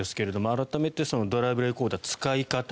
改めてドライブレコーダーの使い方